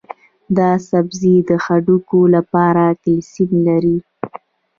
دا سبزی د هډوکو لپاره کلسیم لري.